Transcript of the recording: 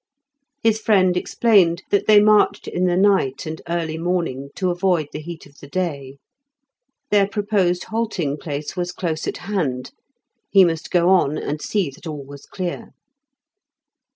His friend explained that they marched in the night and early morning to avoid the heat of the day. Their proposed halting place was close at hand; he must go on and see that all was clear.